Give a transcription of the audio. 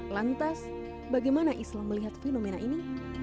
lantas bagaimana islam melihat fenomena ini